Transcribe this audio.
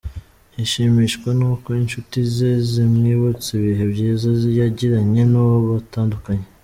Ashimishwa n’uko inshuti ze zimwibutsa ibihe byiza yagiranye n'uwo batandukanye.